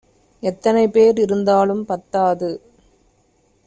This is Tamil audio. எத்தனை பேர் இருந்தாலும் பத்தாது